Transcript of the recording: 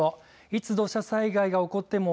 いつ土砂災害が起こっても